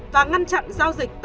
và ngăn chặn giao dịch